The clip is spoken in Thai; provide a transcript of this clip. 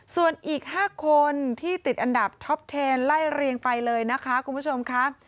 ส่วนอีก๕คนที่ติดอันดับท็อปเทนไล่เรียงไปเลยนะคะคุณผู้ชมค่ะ